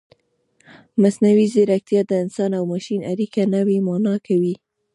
مصنوعي ځیرکتیا د انسان او ماشین اړیکه نوې مانا کوي.